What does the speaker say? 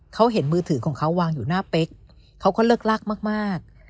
เขาเห็นมือถือของเขาวางอยู่หน้าเป๊กเขาก็เลิกลากมาก